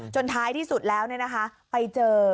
ท้ายที่สุดแล้วไปเจอ